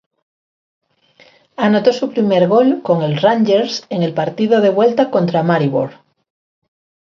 Anotó su primer gol con el Rangers en el partido de vuelta contra Maribor.